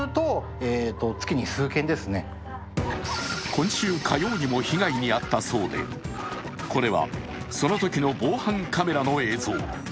今週火曜にも被害に遭ったそうで、これはそのときの防犯カメラの映像。